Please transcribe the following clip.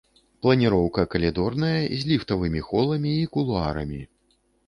Планіроўка калідорная, з ліфтавымі холамі і кулуарамі.